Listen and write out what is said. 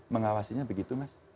mengawasinya begitu mas